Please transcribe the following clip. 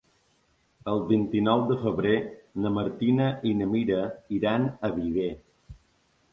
El vint-i-nou de febrer na Martina i na Mira iran a Viver.